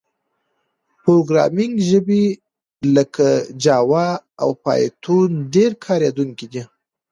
پروګرامینګ ژبې لکه جاوا او پایتون ډېر کارېدونکي دي.